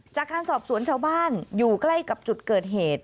จากการสอบสวนชาวบ้านอยู่ใกล้กับจุดเกิดเหตุ